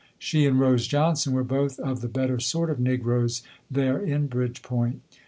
She and Rose Johnson were both of the better sort of negroes, there, in Bridgepoint.